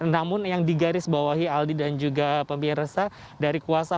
namun yang digarisbawahi aldi dan juga pemirsa